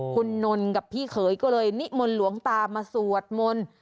คุณนนท์กับพี่เขยก็เลยนิมนต์หลวงตามาสวดมนต์